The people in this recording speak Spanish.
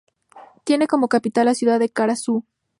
Tiene como capital la ciudad de Kara-Suu.